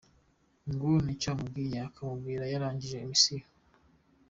Ngo nicyo amubwiye, akimubwira yarangije mission.